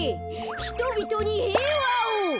ひとびとにへいわを！